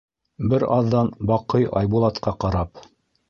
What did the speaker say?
Бер аҙҙан Баҡый Айбулатҡа ҡарап: